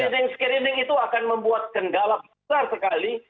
screening screening itu akan membuat kendala besar sekali